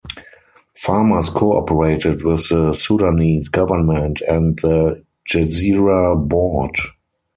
Farmers cooperated with the Sudanese government and the Gezira Board.